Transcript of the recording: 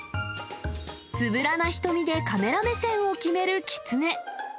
つぶらな瞳でカメラ目線を決めるキツネ。